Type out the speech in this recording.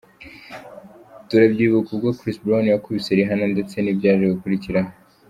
turabyibuka ubwo Chris Brown yakubise Rihanna ndetse nibyaje gukurikiraho.